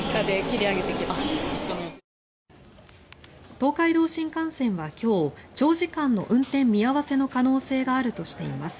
東海道新幹線は今日長時間の運転見合わせの可能性があるとしています。